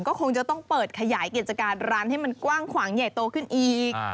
ก็คงจะต้องเปิดขยายกิจการร้านให้มันกว้างขวางใหญ่โตขึ้นอีก